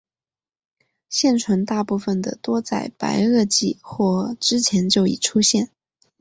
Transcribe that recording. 现存大部分的目多在白垩纪或之前就已出现。